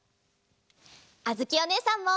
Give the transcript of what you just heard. あづきおねえさんも。